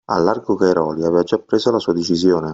Al largo Cairoli aveva già preso la sua decisione.